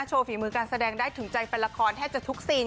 โชว์ฝีมือการแสดงได้ถึงใจแฟนละครแทบแค่ตุ๊กซิง